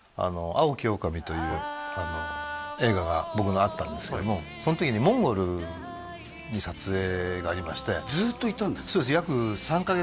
「蒼き狼」という映画が僕のあったんですけどもその時にモンゴルに撮影がありましてずっといたんですか？